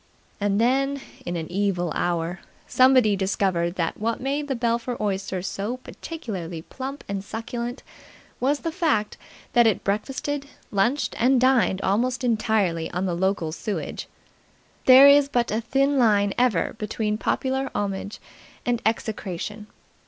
And then, in an evil hour, somebody discovered that what made the Belpher Oyster so particularly plump and succulent was the fact that it breakfasted, lunched and dined almost entirely on the local sewage. There is but a thin line ever between popular homage and execration.